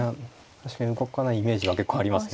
確かに動かないイメージが結構ありますね。